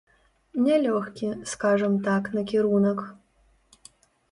Нялёгкі, скажам так, накірунак.